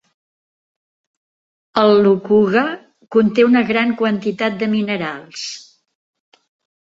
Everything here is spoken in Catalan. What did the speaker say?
El Lukuga conté una gran quantitat de minerals.